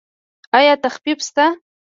ایا تخفیف شته؟